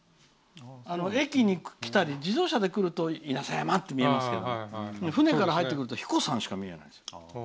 駅に来たり、自動車で来ると稲佐山って見えますけど船から入ってくると彦山しか見えない。